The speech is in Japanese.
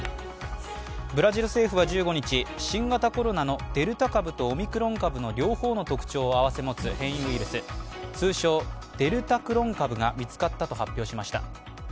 ブラジル政府は１５日、新型コロナのデルタ株とオミクロン株の両方の特徴を併せ持つ変異ウイルス通称デルタクロン株が見つかったと発表しました。